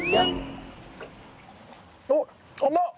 おっ甘っ！